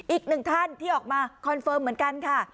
อีกหนึ่งท่านที่ออกมาคอนเฟิร์มเหมือนกันค่ะ